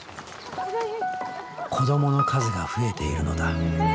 子どもの数が増えているのだ。